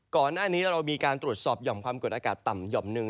ก่อนหน้านี้เรามีการตรวจสอบหย่อมความกดอากาศต่ำหย่อมหนึ่ง